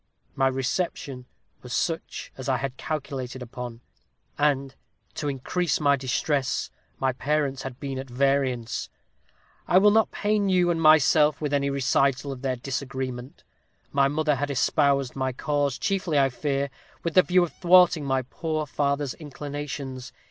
My reception was such as I had calculated upon; and, to increase my distress, my parents had been at variance. I will not pain you and myself with any recital of their disagreement. My mother had espoused my cause, chiefly, I fear, with the view of thwarting my poor father's inclinations.